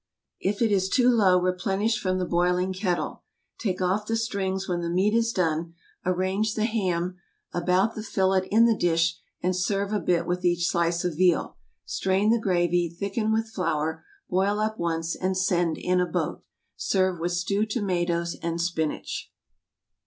If it is too low, replenish from the boiling kettle. Take off the strings when the meat is done; arrange the ham about the fillet in the dish, and serve a bit with each slice of veal. Strain the gravy, thicken with flour, boil up once, and send in a boat. Serve with stewed tomatoes and spinach.